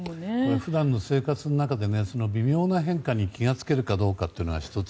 普段の生活の中で微妙な変化に気が付けるかどうかが１つ。